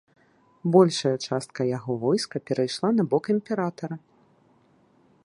Большая частка яго войска перайшла на бок імператара.